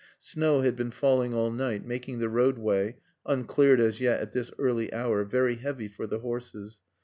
Snow had been falling all night, making the roadway, uncleared as yet at this early hour, very heavy for the horses.